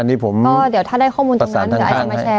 อันนี้ผมประสานทางข้างให้